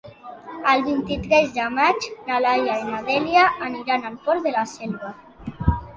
El vint-i-tres de maig na Laia i na Dèlia aniran al Port de la Selva.